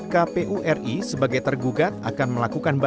kpu ri sebagai tergugat akan melakukan